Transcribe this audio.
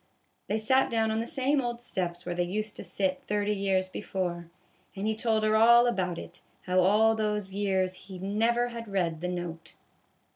They sat down on the same old steps where they used to sit thirty years before, and he told her all about it, how all those years he never had read the note.